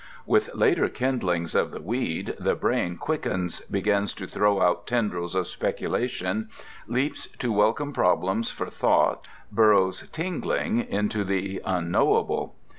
With later kindlings of the weed the brain quickens, begins to throw out tendrils of speculation, leaps to welcome problems for thought, burrows tingling into the unknowable.